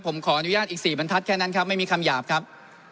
ผมขออนุญาตอีก๔บรรทัศน์แค่นั้นครับไม่มีคำหยาบครับ